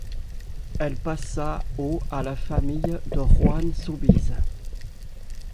Elle passa au à la famille de Rohan-Soubise.